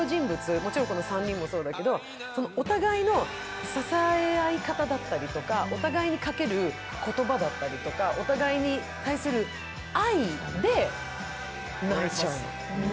もちろんこの３人もそうだけど、お互いの支え合い方だったりとかお互いにかける言葉だったりとか、お互いに対する愛で泣いちゃうの。